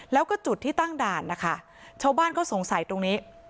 แล้วก็จุดที่ตั้งด่านนะคะชาวบ้านก็สงสัยตรงนี้